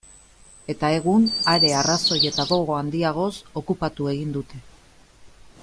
Eta egun, are arrazoi eta gogo handiagoz, okupatu egin dute.